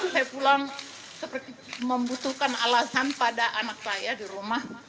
saya pulang seperti membutuhkan alasan pada anak saya di rumah